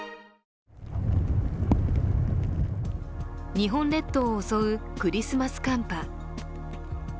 日本列島を襲うクリスマス寒波。